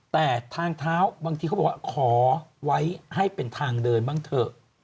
แต่ทางเท้าบางทีเขาบอกว่าขอไว้ให้เป็นทางเดินบ้างเถอะ